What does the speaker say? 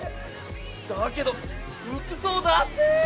だけど服装だせえ！